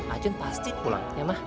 acun pasti pulang ya mah